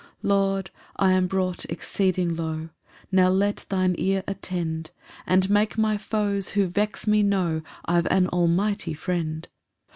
5 Lord, I am brought exceeding low, Now let thine ear attend, And make my foes who vex me know I've an almighty Friend.